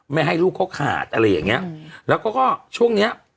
ไม่ให้ลูกเขาขาดอะไรอย่างเงี้ยแล้วก็ช่วงเนี้ย